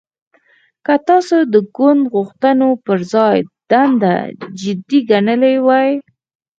که تاسو د ګوند غوښتنو پر ځای دنده جدي ګڼلې وای